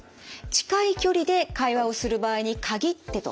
近い距離で会話をする場合に限ってとされています。